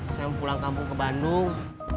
saya pulang kampung ke bandung